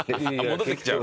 戻ってきちゃう？